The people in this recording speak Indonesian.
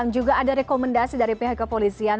juga ada rekomendasi dari pihak kepolisian